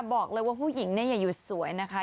บอกเลยว่าผู้หญิงเนี่ยอย่าหยุดสวยนะคะ